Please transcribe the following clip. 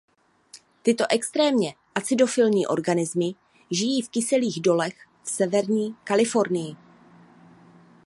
Tyto extrémně acidofilní organismy žijí v kyselých dolech v severní Kalifornii.